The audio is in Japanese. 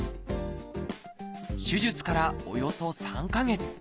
手術からおよそ３か月。